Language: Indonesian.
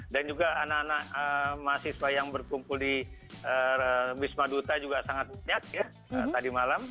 dan juga anak anak mahasiswa yang berkumpul di wisma duta juga sangat banyak ya tadi malam